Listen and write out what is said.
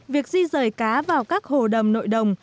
việc di rời cá vào các hồ đầm nội đồng